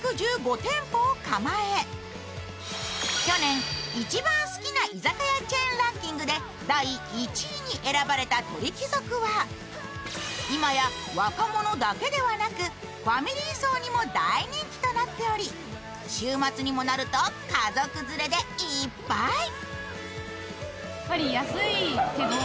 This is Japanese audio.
去年、一番好きな居酒屋チェーンランキングで第１位に選ばれた鳥貴族は今や若者だけではなく、ファミリー層にも大人気となっており、週末にもなると家族連れでいっぱい！